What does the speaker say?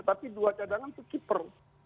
tapi dua cadangan skipper